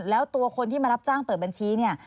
แล้วตัวคนที่มารับจ้างเปิดบัญชีเนี่ย